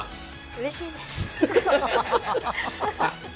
うれしいです。